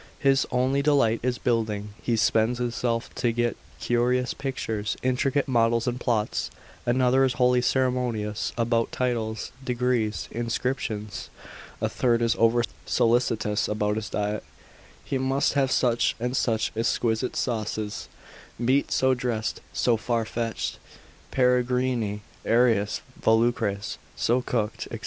His only delight is building, he spends himself to get curious pictures, intricate models and plots, another is wholly ceremonious about titles, degrees, inscriptions: a third is over solicitous about his diet, he must have such and such exquisite sauces, meat so dressed, so far fetched, peregrini aeris volucres, so cooked, &c.